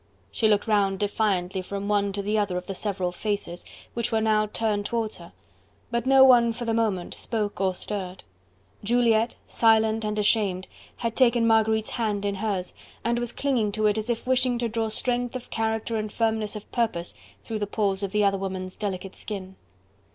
She looked round defiantly from one to the other of the several faces which were now turned towards her, but no one, for the moment, spoke or stirred. Juliette, silent and ashamed, had taken Marguerite's hand in hers, and was clinging to it as if wishing to draw strength of character and firmness of purpose through the pores of the other woman's delicate skin.